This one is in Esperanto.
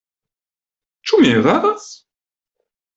Ĉu mi eraras?